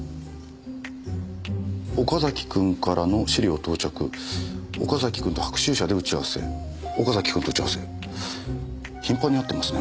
「岡崎君からの資料到着」「岡崎君と白秋社で打ち合わせ」「岡崎君と打ち合わせ」頻繁に会ってますね